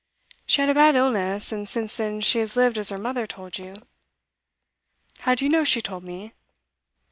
She had a bad illness, and since then she has lived as her mother told you.' 'How do you know she told me?